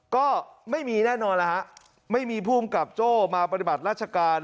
ก็ไม่มีแน่นอนแล้วฮะไม่มีภูมิกับโจ้มาปฏิบัติราชการ